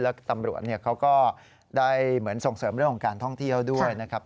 แล้วตำรวจเขาก็ได้เหมือนส่งเสริมเรื่องของการท่องเที่ยวด้วยนะครับ